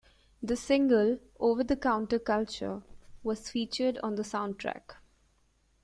The single "Over the Counter Culture" was featured on the soundtrack.